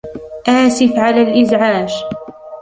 آسف على الإزعاج.